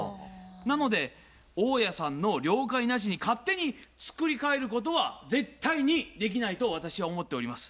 なので大家さんの了解なしに勝手に作り替えることは絶対にできないと私は思っております。